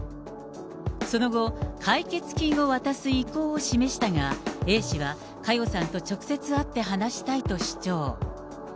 その後、解決金を渡す意向を示したが、Ａ氏は佳代さんと直接会って話したいと主張。